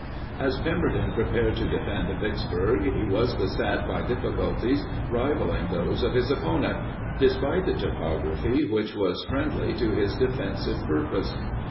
As Pemberton prepared to defend Vicksburg he was beset by difficulties rivaling those of his opponent, despite the topography which was friendly to his defensive purpose.